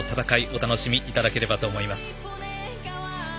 お楽しみいただければと思います。